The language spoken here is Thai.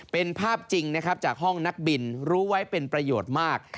เป็นภาพจริงนะครับจากห้องนักบินรู้ไว้เป็นประโยชน์มาก